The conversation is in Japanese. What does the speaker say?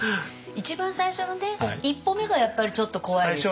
一番最初のね一歩目がやっぱりちょっと怖いですけどね。